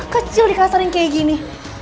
kecil dikasarin kayak gini